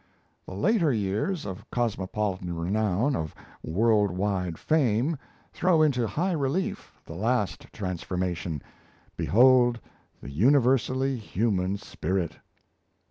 The later years, of cosmopolitan renown, of world wide fame, throw into high relief the last transformation behold the universally human spirit!